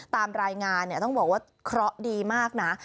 ตามรายงานเนี่ยต้องบอกว่าเคราะห์ดีมากนะ